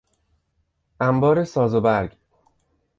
انبار ساز و برگ